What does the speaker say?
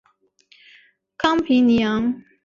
康皮尼昂。